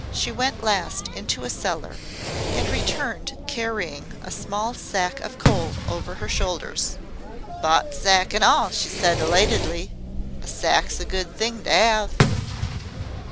She went last into a cellar and returned carrying a small sack of coal over her shoulders. "Bought sack an' all," she said elatedly. "A sack's a good thing to 'ave."